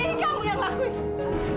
ini kamu yang lakuin